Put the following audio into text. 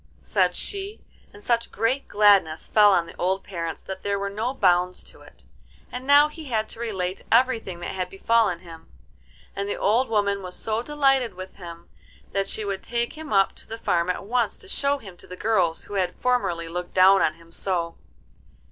said she, and such great gladness fell on the old parents that there were no bounds to it. And now he had to relate everything that had befallen him, and the old woman was so delighted with him that she would take him up to the farm at once to show him to the girls who had formerly looked down on him so.